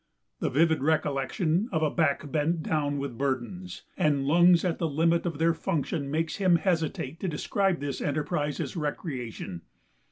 The vivid recollection of a back bent down with burdens and lungs at the limit of their function makes him hesitate to describe this enterprise as recreation.